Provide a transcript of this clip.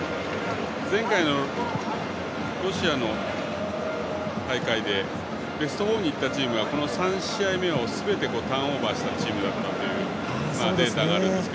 前回のロシアの大会でベスト４に行ったチームはこの３試合目をすべてターンオーバーしたチームだったというデータがあるんですが。